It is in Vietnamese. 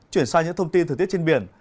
chuyển sang những thông tin thời tiết trên biển